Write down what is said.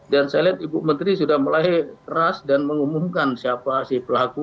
dan saya lihat ibu menteri sudah mulai keras dan mengumumkan siapa si pelaku